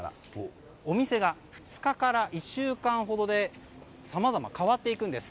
お店が２日から１週間ほどでさまざま変わっていくんです。